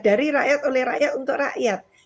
dari rakyat oleh rakyat untuk rakyat